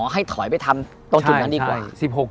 ให้ถอยไปทำตรงจุดนั้นดีกว่า